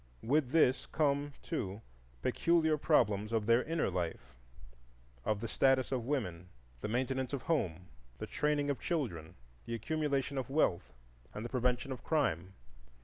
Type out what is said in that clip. With this come, too, peculiar problems of their inner life,—of the status of women, the maintenance of Home, the training of children, the accumulation of wealth, and the prevention of crime.